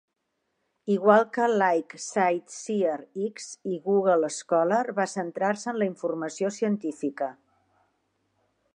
Igual que Like CiteSeerX i Google Scholar, va centrar-se en la informació científica.